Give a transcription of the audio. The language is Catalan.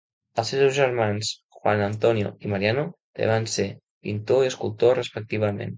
Els seus germans Juan Antonio i Mariano, també van ser pintor i escultor, respectivament.